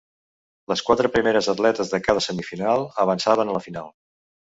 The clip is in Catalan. Les quatre primeres atletes de cada semifinal avançaven a la final.